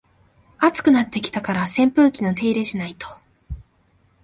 暑くなってきたから扇風機の手入れしないと